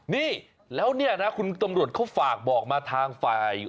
นี่แล้วเนี่ยนะคุณตำรวจเขาฝากบอกมาทางฝ่าย